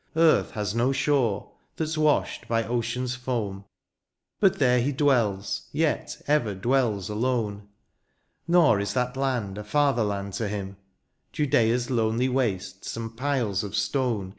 Earth has no shore, thaf s washedby ocean'sfoam. But there he dwells, yet ever dwells alone ; Nor is that land a father land to him ; Judea's lonely wastes, and piles of stone.